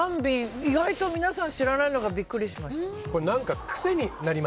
意外と皆さん知らないのがビックリしました。